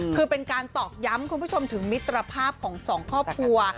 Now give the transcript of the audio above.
คือเป็นการตอกย้ำคุณผู้ชมถึงมิตรภาพของสองครอบครัว